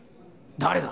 誰だ？